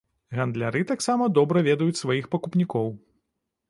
Гандляры таксама добра ведаюць сваіх пакупнікоў.